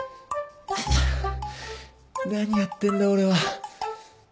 何やってんだ俺は。